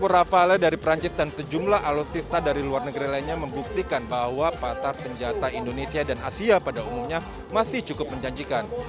rafale dari perancis dan sejumlah alutsista dari luar negeri lainnya membuktikan bahwa pasar senjata indonesia dan asia pada umumnya masih cukup menjanjikan